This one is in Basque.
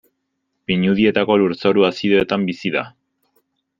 Pinudietako lurzoru azidoetan bizi da.